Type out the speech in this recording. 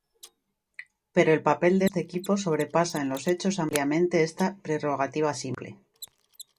Pero el papel de este equipo sobrepasa en los hechos ampliamente esta prerrogativa simple.